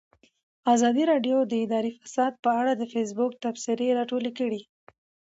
ازادي راډیو د اداري فساد په اړه د فیسبوک تبصرې راټولې کړي.